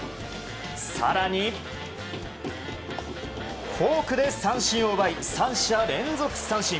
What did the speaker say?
更に、フォークで三振を奪い３者連続三振。